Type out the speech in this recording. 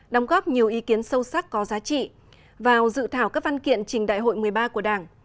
đóng góp nhiều ý kiến sâu sắc có giá trị vào dự thảo các văn kiện trình đại hội một mươi ba của đảng